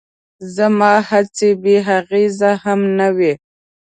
زما هڅې بې اغېزې هم نه وې.